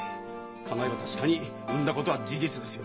家内は確かに産んだことは事実ですよ。